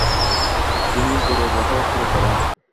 তিনি গৌড়ে বসবাস শুরু করেন।